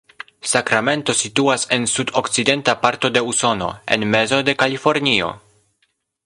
Sakramento situas en sudokcidenta parto de Usono, en mezo de Kalifornio.